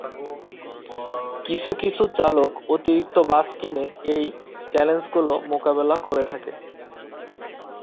কিছু কিছু চালক অতিরিক্ত বাস কিনে এই চ্যালেঞ্জগুলো মোকাবিলা করে থাকে।